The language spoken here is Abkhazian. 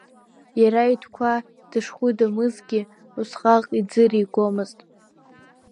Иара итәқәа, дышхәыдамызгьы, усҟак иӡыригомызт.